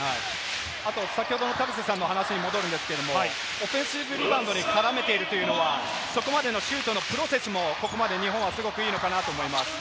あと先ほどの田臥さんの話に戻りますが、オフェンスリバウンドに絡めているというのは、そこまでのシュートのプロセスもここまで日本はすごくいいのかなと思います。